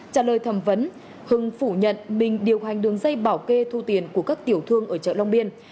trả lời thẩm vấn hưng phủ nhận mình điều hành đường dây bảo kê thu tiền của các tiểu thương ở chợ long biên